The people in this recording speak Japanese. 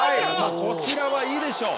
こちらはいいでしょう。